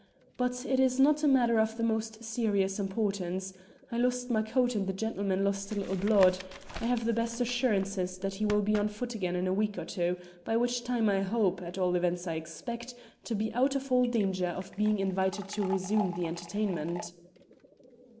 But it is not a matter of the most serious importance. I lost my coat and the gentleman lost a little blood. I have the best assurances that he will be on foot again in a week or two, by which time I hope at all events I expect to be out of all danger of being invited to resume the entertainment."